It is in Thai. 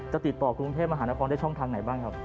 ติดต่อกรุงเทพมหานครได้ช่องทางไหนบ้างครับ